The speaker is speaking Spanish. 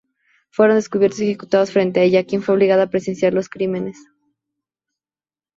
Fueron descubiertos y ejecutados frente a ella, quien fue obligada a presenciar los crímenes.